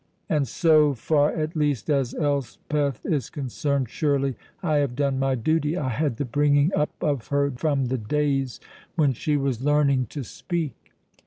"And so far, at least, as Elspeth is concerned, surely I have done my duty. I had the bringing up of her from the days when she was learning to speak."